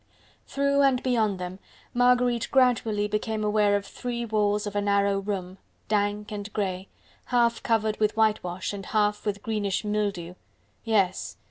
Through and beyond them Marguerite gradually became aware of three walls of a narrow room, dank and grey, half covered with whitewash and half with greenish mildew! Yes!